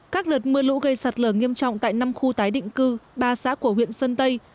các đợt mưa lũ gây sạt lở nghiêm trọng tại năm khu tái định cư ba xã của huyện sơn tây